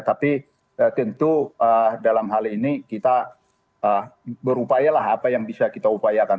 tapi tentu dalam hal ini kita berupayalah apa yang bisa kita upayakan